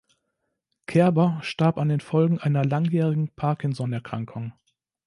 Kerber starb an den Folgen einer langjährigen Parkinson-Erkrankung.